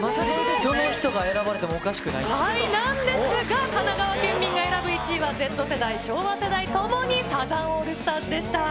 どの人が選ばれてもおかしくなんですが、神奈川県民が選ぶ１位はＺ世代・昭和世代ともにサザンオールスターズでした。